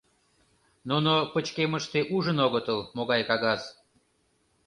Нуно пычкемыште ужын огытыл, могай кагаз.